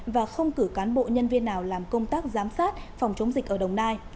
và không cử cán bộ nhân viên nào làm công tác giám sát phòng chống dịch ở đồng nai